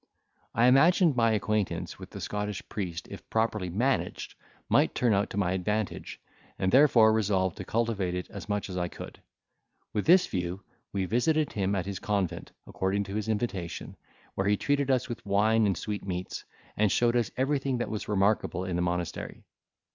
I imagined my acquaintance with the Scottish priest if properly managed, might turn out to my advantage, and therefore resolved to cultivate it as much as I could. With this view we visited him at his convent, according to his invitation, where he treated us with wine and sweetmeats, and showed us everything that was remarkable in the monastery.